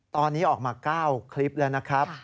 ตอนนี้ออกมา๙คลิปแล้วนะครับ